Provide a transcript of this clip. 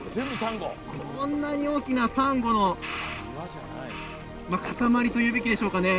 こんなに大きなサンゴの塊というべきでしょうか。